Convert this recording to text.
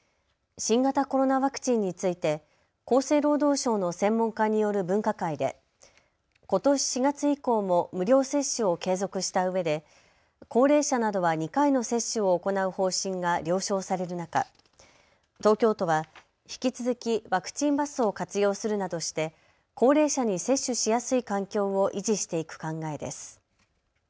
新型コロナワクチンについて厚生労働省の専門家による分科会でことし４月以降も無料接種を継続したうえで高齢者などは２回の接種を行う方針が了承される中、東京都は引き続きワクチンバスを活用するなどして高齢者に接種しやすい環境を維持していく考えです。